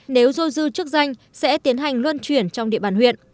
nếu dôi dư chức danh sẽ tiến hành luân chuyển trong địa bàn huyện